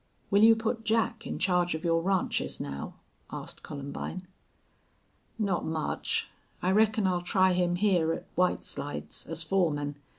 "Will you put Jack in charge of your ranches, now?" asked Columbine. "Not much. I reckon I'll try him hyar at White Slides as foreman.